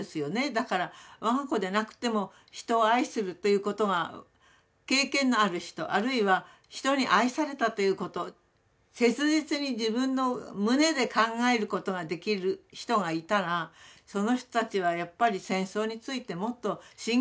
だから我が子でなくても人を愛するということが経験のある人あるいは人に愛されたということ切実に自分の胸で考えることができる人がいたらその人たちはやっぱり戦争についてもっと真剣に考えると思う。